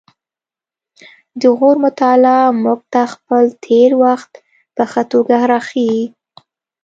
د غور مطالعه موږ ته خپل تیر وخت په ښه توګه راښيي